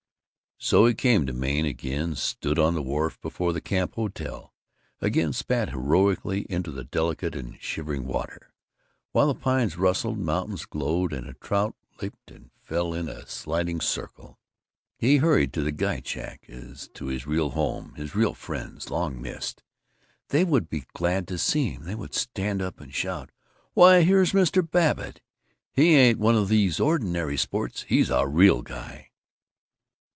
So he came to Maine, again stood on the wharf before the camp hotel, again spat heroically into the delicate and shivering water, while the pines rustled, the mountains glowed, and a trout leaped and fell in a sliding circle. He hurried to the guides' shack as to his real home, his real friends, long missed. They would be glad to see him. They would stand up and shout, "Why, here's Mr. Babbitt! He ain't one of these ordinary sports! He's a real guy!"